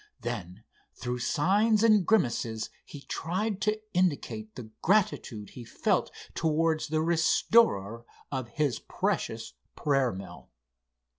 Then through signs and grimaces he tried to indicate the gratitude he felt towards the restorer of his precious prayer mill.